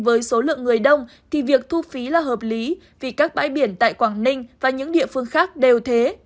với số lượng người đông thì việc thu phí là hợp lý vì các bãi biển tại quảng ninh và những địa phương khác đều thế